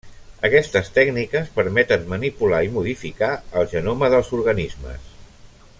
Aquestes tècniques permeten manipular i modificar el genoma dels organismes.